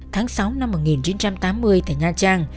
tháng sáu năm một nghìn chín trăm tám mươi tại nha trang